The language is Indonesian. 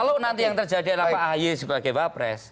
kalau nanti yang terjadi adalah pak ahayu sebagai bapres